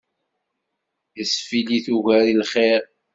Yesfillit ugar i lxir.